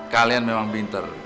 kalian memang pinter